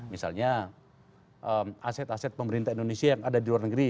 misalnya aset aset pemerintah indonesia yang ada di luar negeri